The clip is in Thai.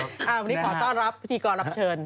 วันนี้ขอต้อนรับพิธีกรรับเชิญ